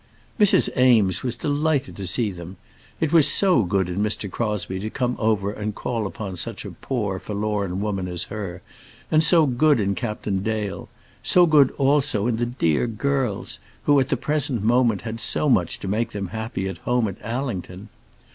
Mrs. Eames was delighted to see them. It was so good in Mr. Crosbie to come over and call upon such a poor, forlorn woman as her, and so good in Captain Dale; so good also in the dear girls, who, at the present moment, had so much to make them happy at home at Allington!